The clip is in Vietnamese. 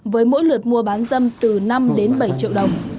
với mỗi lượt mua bán dâm từ năm đến bảy triệu đồng